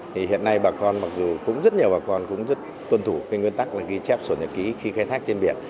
thì hiện nay bà con mặc dù cũng rất nhiều bà con cũng rất tuân thủ cái nguyên tắc là ghi chép sổ nhật ký khi khai thác trên biển